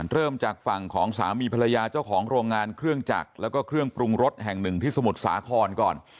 เริ่มจากฝั่งของสามีภรรยาเจ้าของโรงงานเครื่องจักรแล้วก็เครื่องปรุงรสแห่งหนึ่งที่สมุทรสาครก่อน